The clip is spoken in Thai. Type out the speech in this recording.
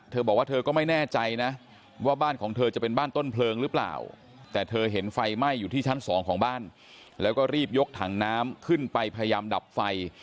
เธอบอกว่าเธอก็ไม่แน่ใจนะว่าบ้านของเธอจะเป็นบ้านต้นเพลิงหรือเปล่าแต่เธอเห็นไฟไหม้อยู่ที่ชั้นสองของบ้านแล้วก็รีบยกถังน้ำขึ้นไปพยายามดับไฟ